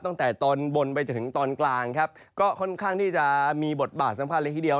ตั้งแต่ตอนบนไปจนถึงตอนกลางครับก็ค่อนข้างที่จะมีบทบาทสำคัญเลยทีเดียว